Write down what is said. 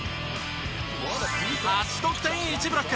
８得点１ブロック。